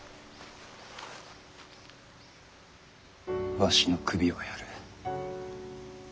わしの首をやる。